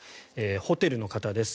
ホテルの方です。